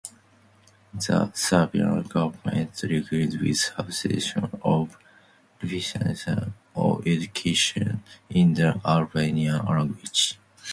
The Serbian Government reacted with suspension of financing of education in the Albanian language.